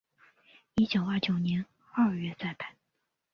一九二九年二月再版。